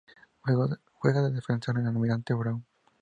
Juega de Defensor en Almirante Brown.